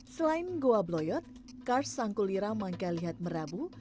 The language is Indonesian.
selain goa bloyot kars sangkulira mangkalihat merabu